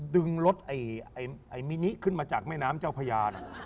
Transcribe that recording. ดึงรถไอ้มินิขึ้นมาจากแม่น้ำเจ้าพญา